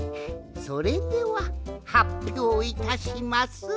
それでははっぴょういたします。